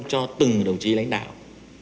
cho từng đồng chí lãnh đạo